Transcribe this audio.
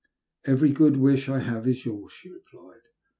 "Every good wish I have is yours," she replied.